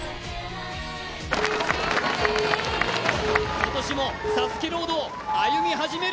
今年もＳＡＳＵＫＥロードを歩み始める。